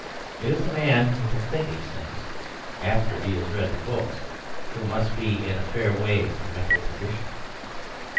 It is the man who can think these things after he has read the books who must be in a fair way to mental perdition.